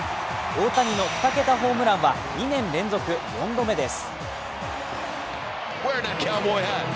大谷の２桁ホームランは２年連続４度目です。